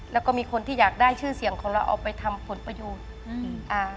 แล้วก็มีคนที่อยากได้ชื่อเสียงของเราเอาไปทำผลประโยชน์อืมอ่า